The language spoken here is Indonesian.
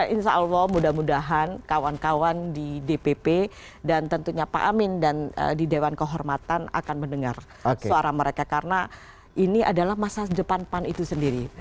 insya allah mudah mudahan kawan kawan di dpp dan tentunya pak amin dan di dewan kehormatan akan mendengar suara mereka karena ini adalah masa depan pan itu sendiri